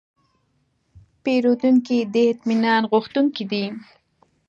پیرودونکی د اطمینان غوښتونکی دی.